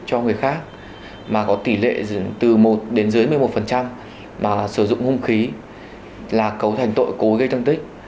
cho người khác mà có tỷ lệ từ một đến dưới một mươi một mà sử dụng hung khí là cấu thành tội cối gây thương tích